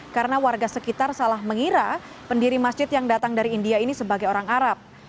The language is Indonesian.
karena warga sekitar salah mengira pendiri masjid yang datang dari india ini sebagai orang arab